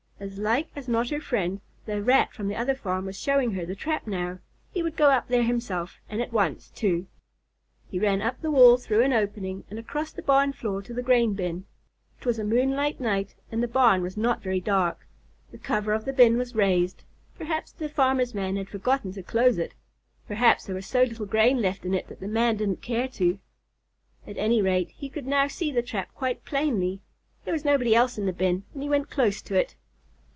As like as not her friend, the Rat from the other farm, was showing her the trap now. He would go up there himself, and at once, too. He ran up the wall, through an opening, and across the barn floor to the grain bin. It was a moonlight night and the barn was not very dark. The cover of the bin was raised. Perhaps the farmer's man had forgotten to close it. Perhaps there was so little grain left in it that the man didn't care to. At any rate, he could now see the trap quite plainly. There was nobody else in the bin, and he went close to it.